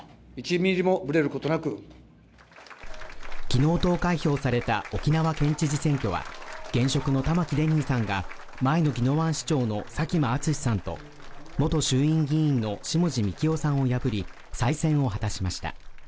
昨日投開票された沖縄県知事選挙は現職の玉城デニーさんが前の宜野湾市長の佐喜眞淳さんと元衆議院議員の下地幹郎さんを破り再選を果たしました。